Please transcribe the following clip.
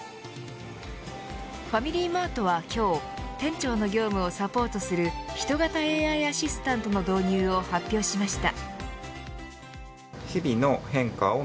ファミリーマートは、今日店長の業務をサポートする人型ＡＩアシスタントの導入を発表しました。